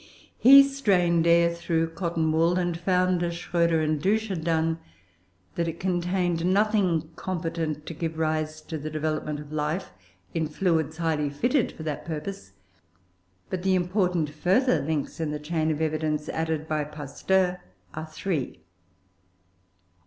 He strained air through cotton wool, and found, as Schroeder and Dusch had done, that it contained nothing competent to give rise to the development of life in fluids highly fitted for that purpose. But the important further links in the chain of evidence added by Pasteur are three.